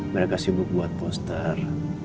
mereka sibuk buat poster